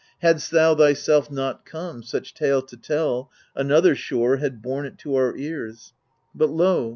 Hadst thou thyself not come, such tale to tell, Another, sure, had borne it to our ears. But lo